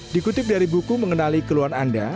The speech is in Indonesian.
dikutip dari buku mengenali keluhan anda